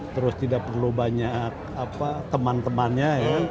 terus tidak perlu banyak teman temannya